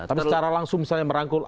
tapi secara langsung misalnya merangkul